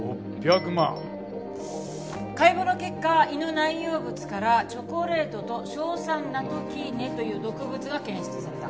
解剖の結果胃の内容物からチョコレートと硝酸ナトキーネという毒物が検出された。